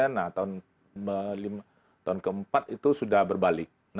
nah tahun keempat itu sudah berbalik